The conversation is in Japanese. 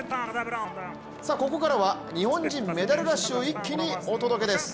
ここからは日本人メダルラッシュを一気にお届けです。